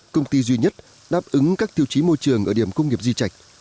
công ty duy nhất đáp ứng các tiêu chí môi trường ở điểm công nghiệp di chạch